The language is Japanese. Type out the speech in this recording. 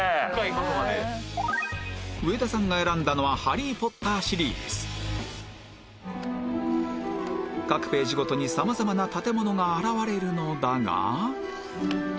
上田さんが選んだのは『ハリー・ポッター』シリーズ各ページごとにさまざまな建物が現れるのだが